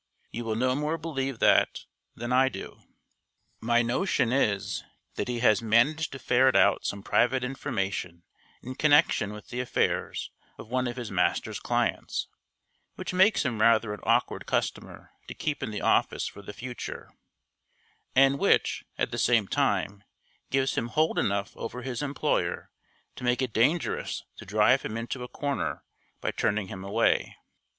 You will no more believe that than I do. My notion is, that he has managed to ferret out some private information in connection with the affairs of one of his master's clients, which makes him rather an awkward customer to keep in the office for the future, and which, at the same time, gives him hold enough over his employer to make it dangerous to drive him into a corner by turning him away.